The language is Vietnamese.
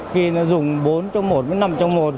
khi nó dùng bốn trong một năm trong một